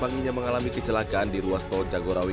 panginya mengalami kecelakaan di ruas tol cagorawi